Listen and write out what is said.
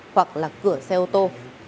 hoặc là cửa xe ô tô